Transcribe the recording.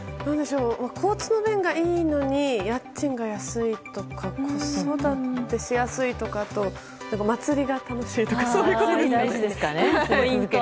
交通の便がいいのに家賃が安いとか子育てしやすいとか祭りが楽しいとかそういうことですかね？